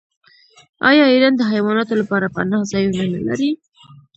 آیا ایران د حیواناتو لپاره پناه ځایونه نلري؟